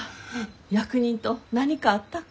役人と何かあったか？